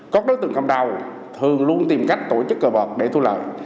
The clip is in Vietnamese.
các đối tượng cầm đầu thường luôn tìm cách tổ chức cờ bạc để thu lợi